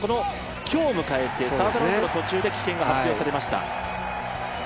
今日を迎えてサードラウンド途中で棄権が発表されました。